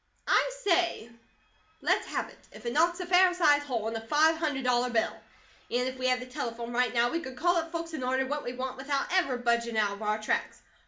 I say, let's have it, if it knocks a fair sized hole in a five hundred dollar bill. An' if we had the telephone right now, we could call up folks an' order what we want without ever budgin' out of our tracks.